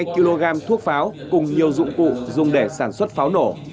hai kg thuốc pháo cùng nhiều dụng cụ dùng để sản xuất pháo nổ